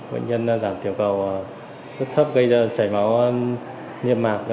bệnh nhân giảm tiểu cầu rất thấp gây ra chảy máu niêm mạc